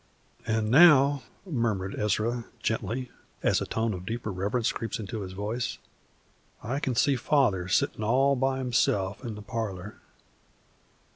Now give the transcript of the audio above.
"An' now," murmured Ezra, gently, as a tone of deeper reverence crept into his voice, "I can see Father sittin' all by himself in the parlor.